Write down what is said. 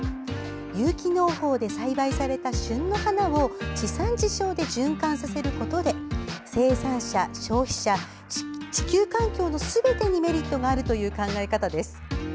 有機農法で栽培された旬の花を地産地消で循環させることで生産者、消費者、地球環境のすべてにメリットがあるという考え方です。